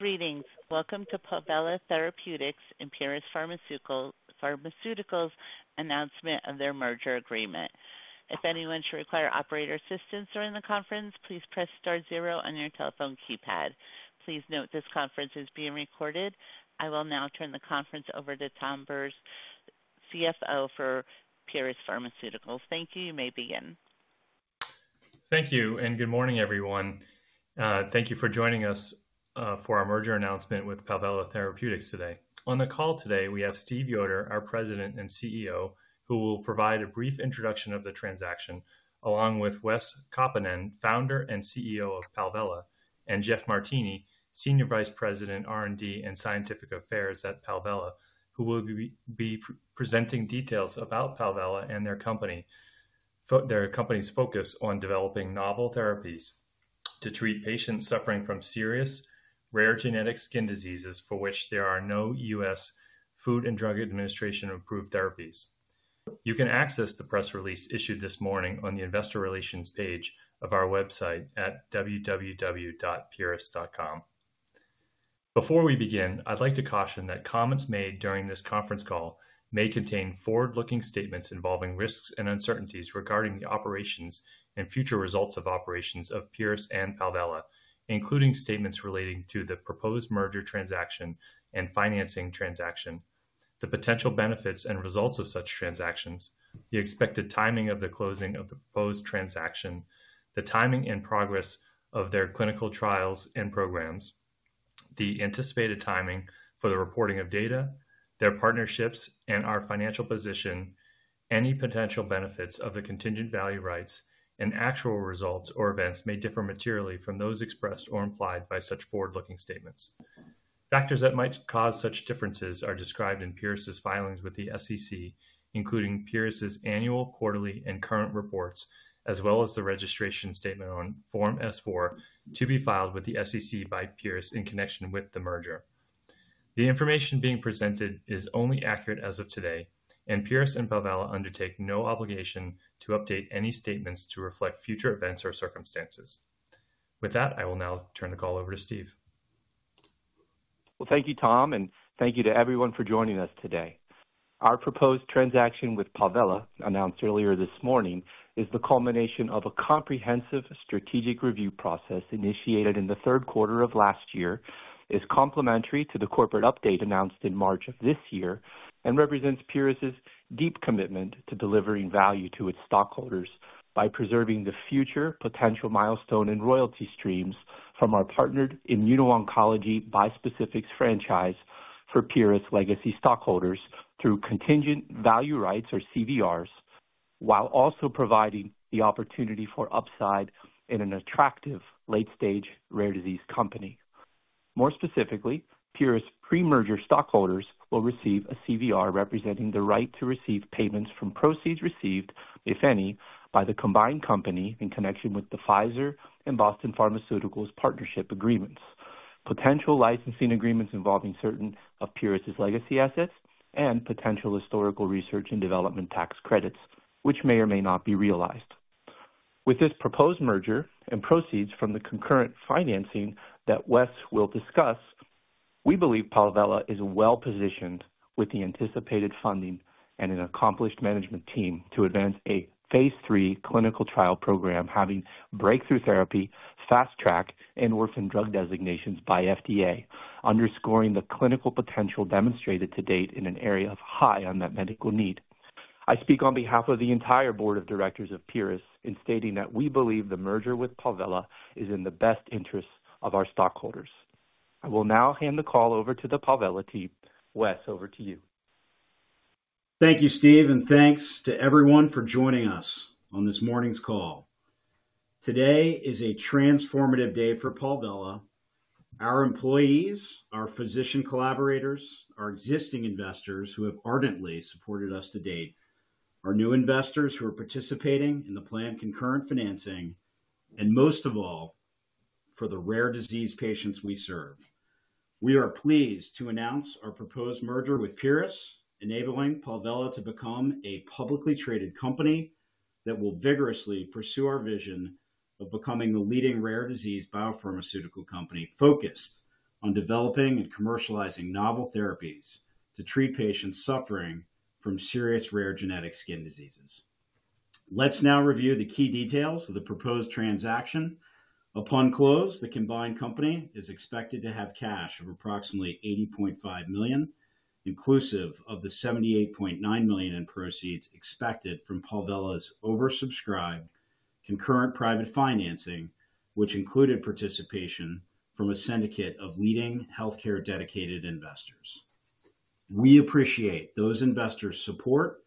Greetings. Welcome to Palvella Therapeutics and Pieris Pharmaceuticals' announcement of their merger agreement. If anyone should require operator assistance during the conference, please press star zero on your telephone keypad. Please note this conference is being recorded. I will now turn the conference over to Tom Bures, CFO for Pieris Pharmaceuticals. Thank you. You may begin. Thank you, and good morning, everyone. Thank you for joining us for our merger announcement with Palvella Therapeutics today. On the call today, we have Steve Yoder, our President and CEO, who will provide a brief introduction of the transaction, along with Wes Kaupinen, Founder and CEO of Palvella, and Jeff Martini, Senior Vice President, R&D and Scientific Affairs at Palvella, who will be presenting details about Palvella and their company. Their company's focus on developing novel therapies to treat patients suffering from serious, rare genetic skin diseases for which there are no U.S. Food and Drug Administration-approved therapies. You can access the press release issued this morning on the investor relations page of our website at www.pieris.com. Before we begin, I'd like to caution that comments made during this conference call may contain forward-looking statements involving risks and uncertainties regarding the operations and future results of operations of Pieris and Palvella, including statements relating to the proposed merger, transaction, and financing transaction, the potential benefits and results of such transactions, the expected timing of the closing of the proposed transaction, the timing and progress of their clinical trials and programs, the anticipated timing for the reporting of data, their partnerships, and our financial position. Any potential benefits of the Contingent Value Rights and actual results or events may differ materially from those expressed or implied by such forward-looking statements. Factors that might cause such differences are described in Pieris' filings with the SEC, including Pieris' annual, quarterly, and current reports, as well as the registration statement on Form S-4, to be filed with the SEC by Pieris in connection with the merger. The information being presented is only accurate as of today, and Pieris and Palvella undertake no obligation to update any statements to reflect future events or circumstances. With that, I will now turn the call over to Steve. Well, thank you, Tom, and thank you to everyone for joining us today. Our proposed transaction with Palvella, announced earlier this morning, is the culmination of a comprehensive strategic review process initiated in the third quarter of last year, is complementary to the corporate update announced in March of this year, and represents Pieris' deep commitment to delivering value to its stockholders by preserving the future potential milestone and royalty streams from our partnered immuno-oncology bispecifics franchise for Pieris' legacy stockholders through contingent value rights or CVRs, while also providing the opportunity for upside in an attractive late-stage, rare disease company. More specifically, Pieris' pre-merger stockholders will receive a CVR representing the right to receive payments from proceeds received, if any, by the combined company in connection with the Pfizer and Boston Pharmaceuticals partnership agreements, potential licensing agreements involving certain of Pieris' legacy assets, and potential historical research and development tax credits, which may or may not be realized. With this proposed merger and proceeds from the concurrent financing that Wes will discuss, we believe Palvella is well-positioned with the anticipated funding and an accomplished management team to advance a phase III clinical trial program, having Breakthrough Therapy, Fast Track, and Orphan Drug designations by FDA, underscoring the clinical potential demonstrated to date in an area of high unmet medical need. I speak on behalf of the entire board of directors of Pieris in stating that we believe the merger with Palvella is in the best interest of our stockholders. I will now hand the call over to the Palvella team. Wes, over to you. Thank you, Steve, and thanks to everyone for joining us on this morning's call. Today is a transformative day for Palvella, our employees, our physician collaborators, our existing investors who have ardently supported us to date, our new investors who are participating in the planned concurrent financing, and most of all, for the rare disease patients we serve. We are pleased to announce our proposed merger with Pieris, enabling Palvella to become a publicly traded company that will vigorously pursue our vision of becoming the leading rare disease biopharmaceutical company, focused on developing and commercializing novel therapies to treat patients suffering from serious rare genetic skin diseases. Let's now review the key details of the proposed transaction. Upon close, the combined company is expected to have cash of approximately $80.5 million, inclusive of the $78.9 million in proceeds expected from Palvella's oversubscribed concurrent private financing, which included participation from a syndicate of leading healthcare-dedicated investors. We appreciate those investors' support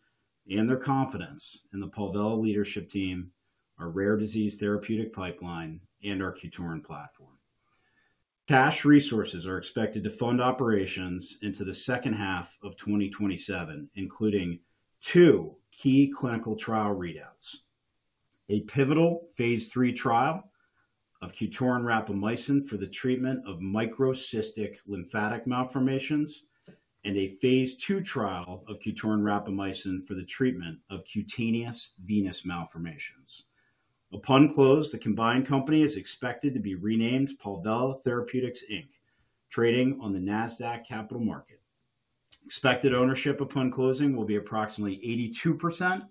and their confidence in the Palvella leadership team, our rare disease therapeutic pipeline, and our QTORIN platform. Cash resources are expected to fund operations into the second half of 2027, including two key clinical trial readouts: a pivotal phase III trial of QTORIN rapamycin for the treatment of microcystic lymphatic malformations, and a phase II trial of QTORIN rapamycin for the treatment of cutaneous venous malformations. Upon close, the combined company is expected to be renamed Palvella Therapeutics, Inc., trading on the Nasdaq Capital Market. Expected ownership upon closing will be approximately 82%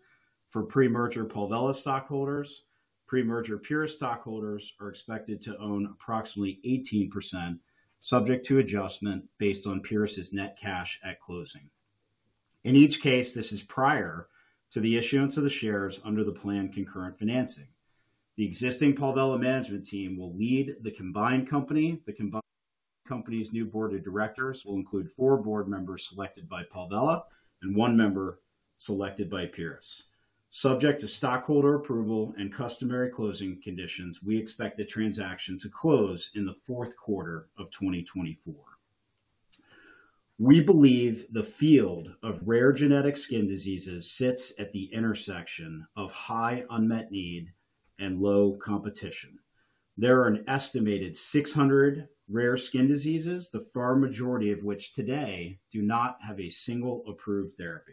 for pre-merger Palvella stockholders. Pre-merger Pieris stockholders are expected to own approximately 18%, subject to adjustment based on Pieris' net cash at closing. In each case, this is prior to the issuance of the shares under the planned concurrent financing. The existing Palvella management team will lead the combined company. The combined company's new board of directors will include four board members selected by Palvella and one member selected by Pieris. Subject to stockholder approval and customary closing conditions, we expect the transaction to close in the fourth quarter of 2024. We believe the field of rare genetic skin diseases sits at the intersection of high unmet need and low competition. There are an estimated 600 rare skin diseases, the far majority of which today do not have a single approved therapy.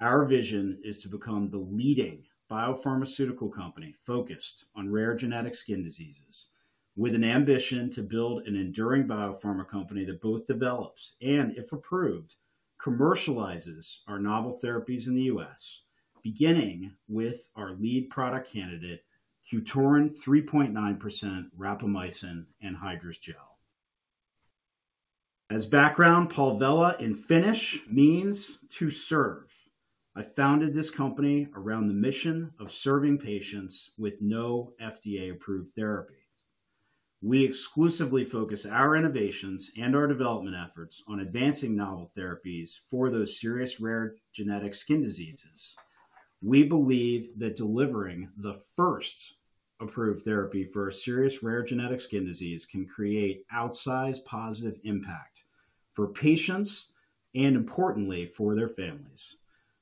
Our vision is to become the leading biopharmaceutical company focused on rare genetic skin diseases, with an ambition to build an enduring biopharma company that both develops and, if approved, commercializes our novel therapies in the U.S., beginning with our lead product candidate, QTORIN 3.9% rapamycin anhydrous gel. As background, Palvella in Finnish means "to serve." I founded this company around the mission of serving patients with no FDA-approved therapy. We exclusively focus our innovations and our development efforts on advancing novel therapies for those serious, rare genetic skin diseases. We believe that delivering the first approved therapy for a serious, rare genetic skin disease can create outsized positive impact for patients and, importantly, for their families.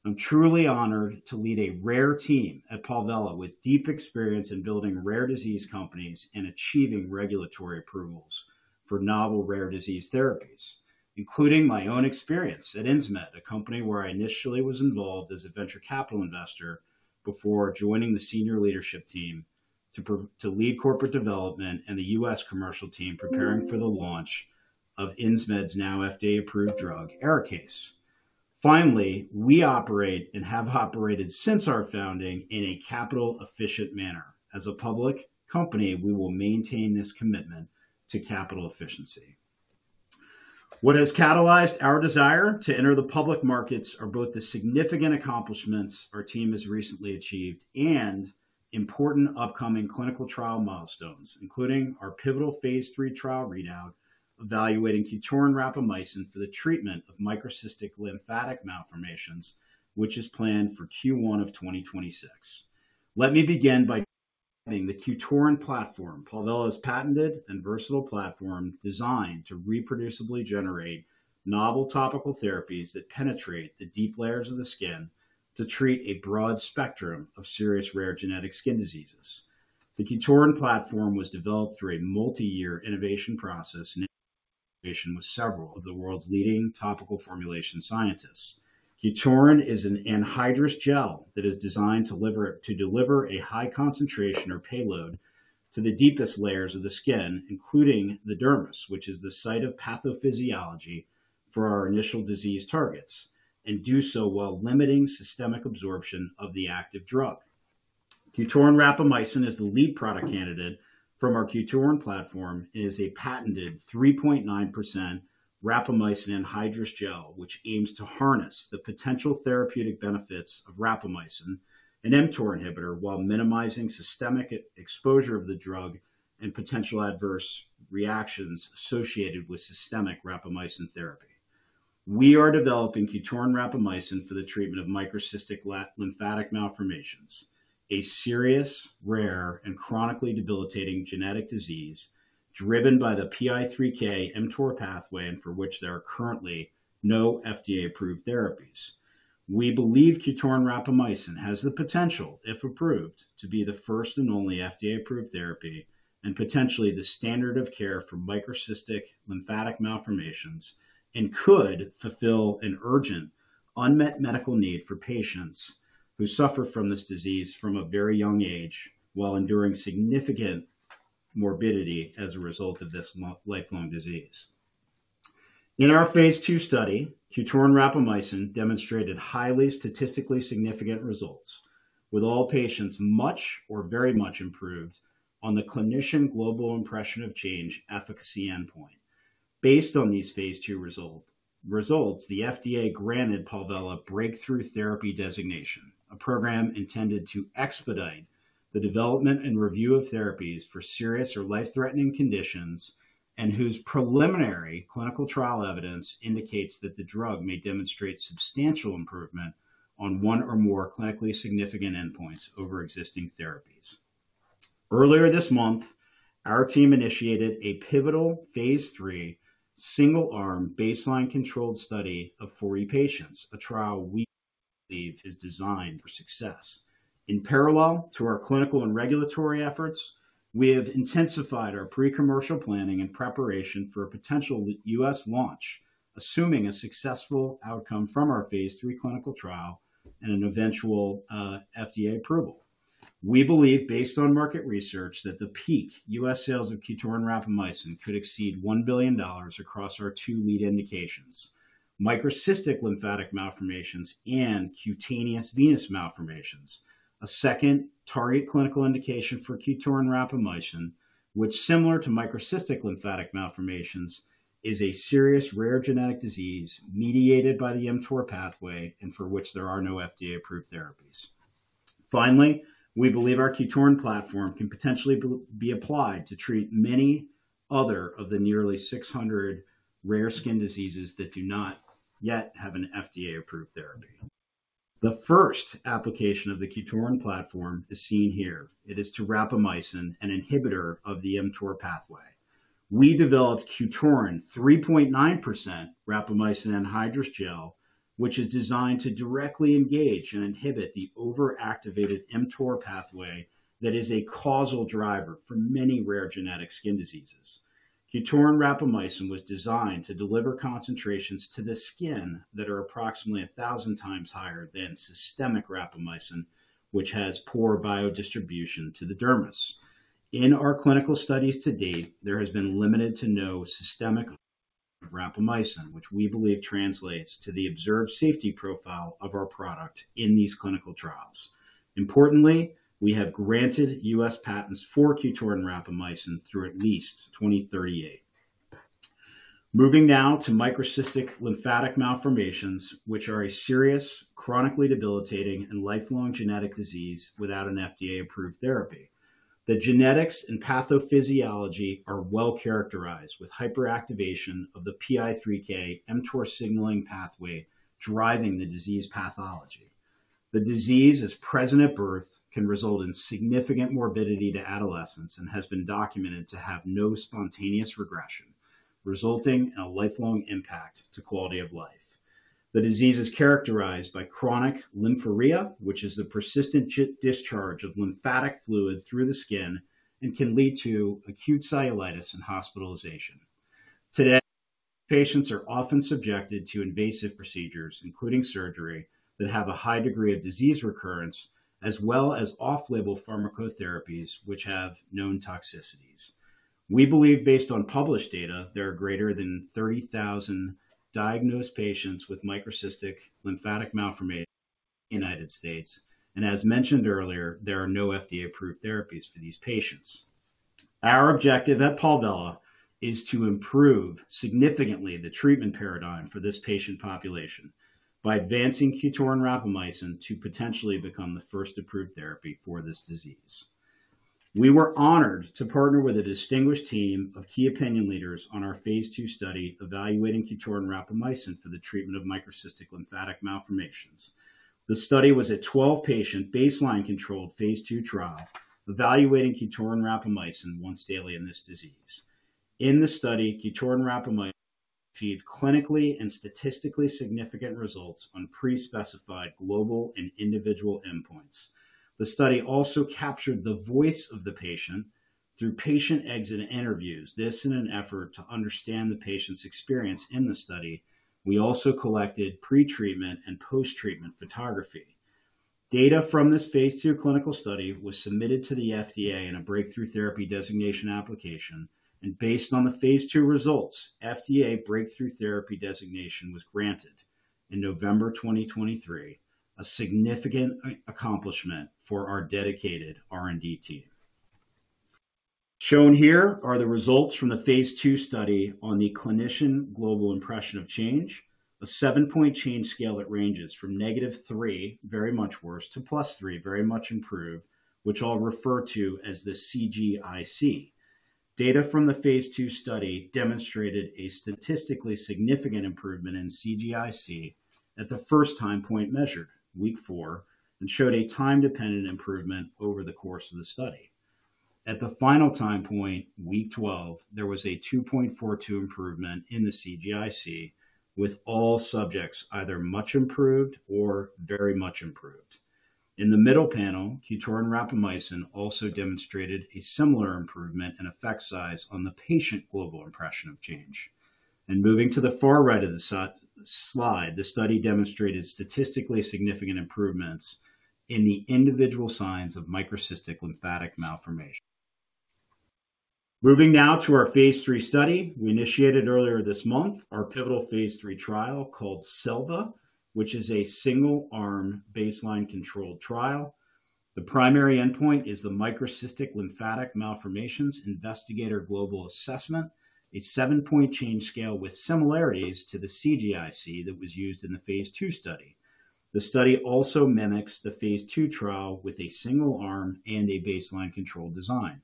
I'm truly honored to lead a rare team at Palvella with deep experience in building rare disease companies and achieving regulatory approvals for novel rare disease therapies, including my own experience at Insmed, a company where I initially was involved as a venture capital investor before joining the senior leadership team to lead corporate development and the U.S. commercial team preparing for the launch of Insmed's now FDA-approved drug, ARIKAYCE. Finally, we operate and have operated since our founding in a capital-efficient manner. As a public company, we will maintain this commitment to capital efficiency. What has catalyzed our desire to enter the public markets are both the significant accomplishments our team has recently achieved and important upcoming clinical trial milestones, including our pivotal phase III trial readout, evaluating QTORIN rapamycin for the treatment of microcystic lymphatic malformations, which is planned for Q1 of 2026. Let me begin by describing the QTORIN platform, Palvella's patented and versatile platform, designed to reproducibly generate novel topical therapies that penetrate the deep layers of the skin to treat a broad spectrum of serious, rare genetic skin diseases. The QTORIN platform was developed through a multi-year innovation process in collaboration with several of the world's leading topical formulation scientists. QTORIN is an anhydrous gel that is designed to deliver a high concentration or payload to the deepest layers of the skin, including the dermis, which is the site of pathophysiology for our initial disease targets, and do so while limiting systemic absorption of the active drug. QTORIN rapamycin is the lead product candidate from our QTORIN platform, and is a patented 3.9% rapamycin anhydrous gel, which aims to harness the potential therapeutic benefits of rapamycin, an mTOR inhibitor, while minimizing systemic exposure of the drug and potential adverse reactions associated with systemic rapamycin therapy. We are developing QTORIN rapamycin for the treatment of microcystic lymphatic malformations, a serious, rare, and chronically debilitating genetic disease driven by the PI3K-mTOR pathway, and for which there are currently no FDA-approved therapies. We believe QTORIN rapamycin has the potential, if approved, to be the first and only FDA-approved therapy and potentially the standard of care for microcystic lymphatic malformations, and could fulfill an urgent, unmet medical need for patients who suffer from this disease from a very young age, while enduring significant morbidity as a result of this lifelong disease. In our phase II study, QTORIN rapamycin demonstrated highly statistically significant results, with all patients much or very much improved on the Clinician Global Impression of Change efficacy endpoint. Based on these phase II results, the FDA granted Palvella Breakthrough Therapy Designation, a program intended to expedite the development and review of therapies for serious or life-threatening conditions, and whose preliminary clinical trial evidence indicates that the drug may demonstrate substantial improvement on one or more clinically significant endpoints over existing therapies. Earlier this month, our team initiated a pivotal phase III single-arm, baseline-controlled study of 40 patients, a trial we believe is designed for success. In parallel to our clinical and regulatory efforts, we have intensified our pre-commercial planning and preparation for a potential U.S. launch, assuming a successful outcome from our phase III clinical trial and an eventual FDA approval. We believe, based on market research, that the peak U.S. sales of QTORIN rapamycin could exceed $1 billion across our two lead indications, microcystic lymphatic malformations and cutaneous venous malformations. A second target clinical indication for QTORIN rapamycin, which similar to microcystic lymphatic malformations, is a serious rare genetic disease mediated by the mTOR pathway, and for which there are no FDA-approved therapies. Finally, we believe our QTORIN platform can potentially be applied to treat many other of the nearly 600 rare skin diseases that do not yet have an FDA-approved therapy. The first application of the QTORIN platform is seen here. It is to rapamycin, an inhibitor of the mTOR pathway. We developed QTORIN 3.9% rapamycin anhydrous gel, which is designed to directly engage and inhibit the overactivated mTOR pathway that is a causal driver for many rare genetic skin diseases. QTORIN rapamycin was designed to deliver concentrations to the skin that are approximately 1,000x higher than systemic rapamycin, which has poor biodistribution to the dermis. In our clinical studies to date, there has been limited to no systemic rapamycin, which we believe translates to the observed safety profile of our product in these clinical trials. Importantly, we have granted U.S. patents for QTORIN rapamycin through at least 2038. Moving now to microcystic lymphatic malformations, which are a serious, chronically debilitating, and lifelong genetic disease without an FDA-approved therapy. The genetics and pathophysiology are well characterized, with hyperactivation of the PI3K-mTOR signaling pathway driving the disease pathology. The disease is present at birth, can result in significant morbidity to adolescence, and has been documented to have no spontaneous regression, resulting in a lifelong impact to quality of life. The disease is characterized by chronic lymphorrhea, which is the persistent discharge of lymphatic fluid through the skin, and can lead to acute cellulitis and hospitalization. Today, patients are often subjected to invasive procedures, including surgery, that have a high degree of disease recurrence, as well as off-label pharmacotherapies, which have known toxicities. We believe, based on published data, there are greater than 30,000 diagnosed patients with microcystic lymphatic malformation in the United States, and as mentioned earlier, there are no FDA-approved therapies for these patients. Our objective at Palvella is to improve significantly the treatment paradigm for this patient population by advancing QTORIN rapamycin to potentially become the first approved therapy for this disease. We were honored to partner with a distinguished team of key opinion leaders on our phase II study, evaluating QTORIN rapamycin for the treatment of microcystic lymphatic malformations. The study was a 12-patient, baseline-controlled phase II trial, evaluating QTORIN rapamycin once daily in this disease. In the study, QTORIN rapamycin achieved clinically and statistically significant results on pre-specified global and individual endpoints. The study also captured the voice of the patient through patient exit interviews. This, in an effort to understand the patient's experience in the study, we also collected pre-treatment and post-treatment photography. Data from this phase II clinical study was submitted to the FDA in a Breakthrough Therapy Designation application, and based on the phase II results, FDA Breakthrough Therapy Designation was granted in November 2023, a significant accomplishment for our dedicated R&D team. Shown here are the results from the phase II study on the Clinician Global Impression of Change, a 7-point change scale that ranges from -3, very much worse, to +3, very much improved, which I'll refer to as the CGIC. Data from the phase II study demonstrated a statistically significant improvement in CGIC at the first time point measured, week 4, and showed a time-dependent improvement over the course of the study. At the final time point, week 12, there was a 2.42 improvement in the CGIC, with all subjects either much improved or very much improved. In the middle panel, QTORIN rapamycin also demonstrated a similar improvement and effect size on the Patient Global Impression of Change. And moving to the far right of the slide, the study demonstrated statistically significant improvements in the individual signs of microcystic lymphatic malformation. Moving now to our phase III study. We initiated earlier this month, our pivotal phase III trial called SELVA, which is a single-arm, baseline-controlled trial. The primary endpoint is the Microcystic Lymphatic Malformations Investigator Global Assessment, a seven-point change scale with similarities to the CGIC that was used in the phase II study. The study also mimics the phase II trial with a single arm and a baseline control design.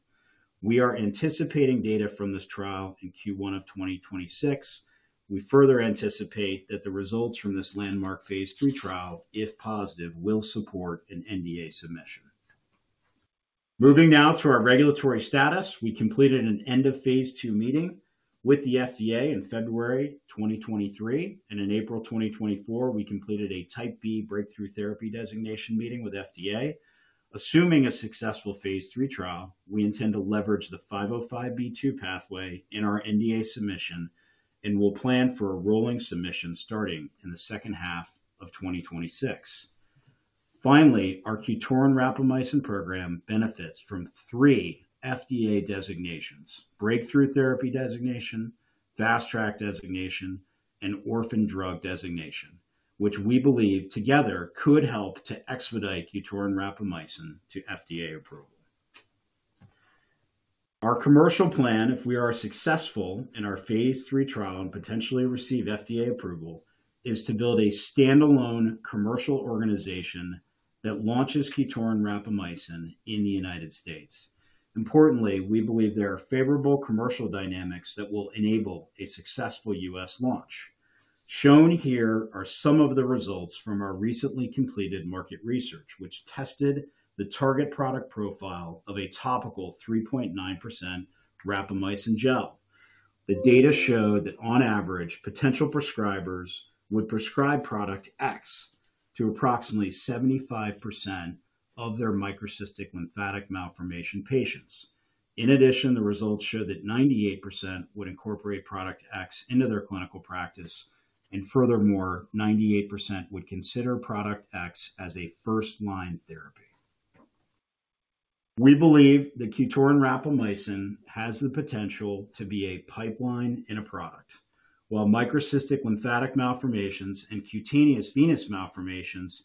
We are anticipating data from this trial in Q1 of 2026. We further anticipate that the results from this landmark phase III trial, if positive, will support an NDA submission. Moving now to our regulatory status. We completed an end-of-phase II meeting with the FDA in February 2023, and in April 2024, we completed a Type B Breakthrough Therapy Designation meeting with FDA. Assuming a successful phase III trial, we intend to leverage the 505(b)(2) pathway in our NDA submission and will plan for a rolling submission starting in the second half of 2026.... Finally, our QTORIN rapamycin program benefits from three FDA designations: Breakthrough Therapy Designation, Fast Track Designation, and Orphan Drug Designation, which we believe together could help to expedite QTORIN rapamycin to FDA approval. Our commercial plan, if we are successful in our phase III trial and potentially receive FDA approval, is to build a standalone commercial organization that launches QTORIN rapamycin in the United States. Importantly, we believe there are favorable commercial dynamics that will enable a successful U.S. launch. Shown here are some of the results from our recently completed market research, which tested the target product profile of a topical 3.9% rapamycin gel. The data showed that on average, potential prescribers would prescribe product X to approximately 75% of their microcystic lymphatic malformation patients. In addition, the results showed that 98% would incorporate product X into their clinical practice, and furthermore, 98% would consider product X as a first-line therapy. We believe that QTORIN rapamycin has the potential to be a pipeline in a product. While microcystic lymphatic malformations and cutaneous venous malformations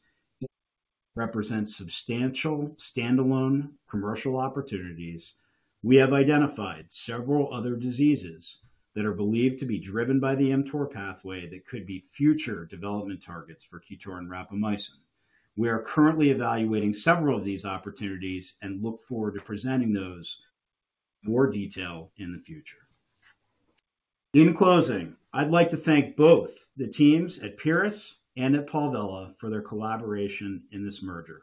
represent substantial standalone commercial opportunities, we have identified several other diseases that are believed to be driven by the mTOR pathway that could be future development targets for QTORIN rapamycin. We are currently evaluating several of these opportunities and look forward to presenting those in more detail in the future. In closing, I'd like to thank both the teams at Pieris and at Palvella for their collaboration in this merger.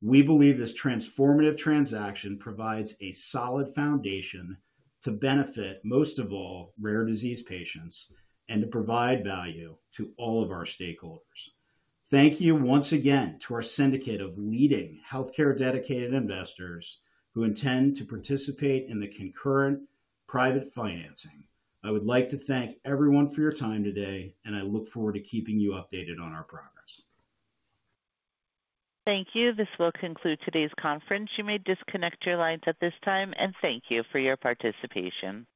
We believe this transformative transaction provides a solid foundation to benefit, most of all, rare disease patients and to provide value to all of our stakeholders. Thank you once again to our syndicate of leading healthcare-dedicated investors who intend to participate in the concurrent private financing. I would like to thank everyone for your time today, and I look forward to keeping you updated on our progress. Thank you. This will conclude today's conference. You may disconnect your lines at this time, and thank you for your participation.